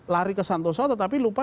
lari ke santoso tetapi lupa